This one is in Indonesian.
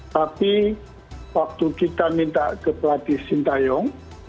tapi waktu kita minta ke pelatih sinta yong